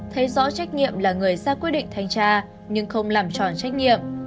thấy rõ trách nhiệm là người ra quyết định thanh tra nhưng không làm tròn trách nhiệm